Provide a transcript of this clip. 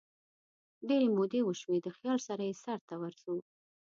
ډیري مودې وشوي دخیال سره یې سرته ورځو